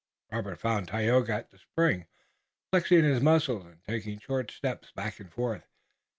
Robert found Tayoga at the spring, flexing his muscles, and taking short steps back and forth.